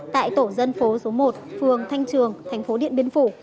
tại tổ dân phố số một phường thanh trường tp điện biên phủ